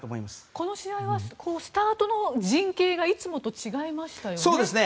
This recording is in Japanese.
この試合はスタートの陣形がいつもと違いましたよね。